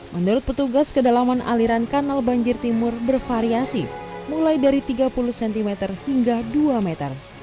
menurut petugas kedalaman aliran kanal banjir timur bervariasi mulai dari tiga puluh cm hingga dua meter